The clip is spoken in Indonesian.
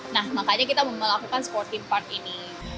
nah makanya kita mau melakukan sporting part ini